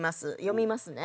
読みますね。